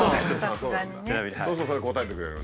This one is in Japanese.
そうするとそれに応えてくれるんだ。